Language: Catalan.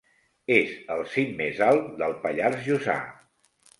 És el cim més alt del Pallars Jussà.